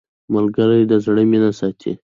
ملګری د زړه مینه ساتي